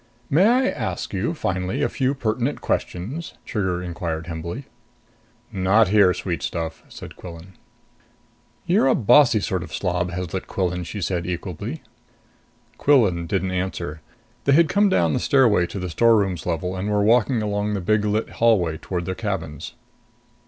"May I ask you, finally, a few pertinent questions?" Trigger inquired humbly. "Not here, sweet stuff," said Quillan. "You're a bossy sort of slob, Heslet Quillan," she said equably. Quillan didn't answer. They had come down the stairway to the storerooms level and were walking along the big lit hallway toward their cabins.